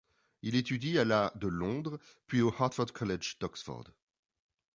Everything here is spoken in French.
Il étudie à la de Londres puis au Hertford College d'Oxford.